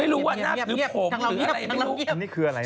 หรือผม